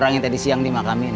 orang yang tadi siang dimakamin